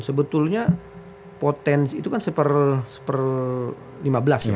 sebetulnya potensi itu kan seper lima belas ya